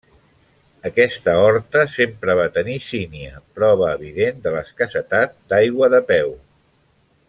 Aquesta horta sempre va tenir sínia, prova evident de l'escassetat d'aigua de peu.